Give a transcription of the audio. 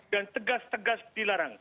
dan tegas tegas dilarang